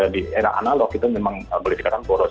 di era analog itu memang boleh dikatakan boros